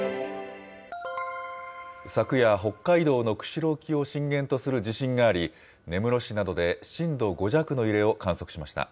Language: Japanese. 昨夜、北海道の釧路沖を震源とする地震があり、根室市などで震度５弱の揺れを観測しました。